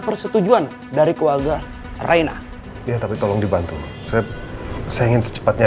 persetujuan dari keluarga raina dia tapi tolong dibantu set sehingga secepatnya